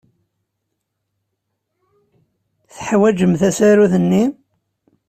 Teḥwajem tasarut-nni?